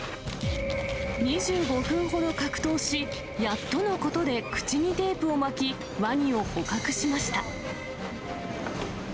２５分ほど格闘し、やっとのことで口にテープを巻き、ワニを捕獲しました。